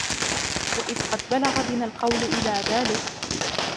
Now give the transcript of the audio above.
وَإِذْ قَدْ بَلَغَ بِنَا الْقَوْلُ إلَى ذَلِكَ